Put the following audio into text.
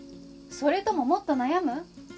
それとももっと悩む？